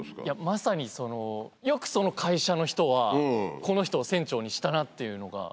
まさによくその会社の人はこの人を船長にしたなっていうのが。